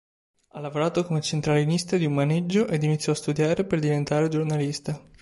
Ha lavorato come centralinista di un maneggio ed iniziò a studiare per diventare giornalista.